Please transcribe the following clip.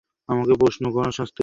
আমাকে প্রশ্ন করার শাস্তি হবে।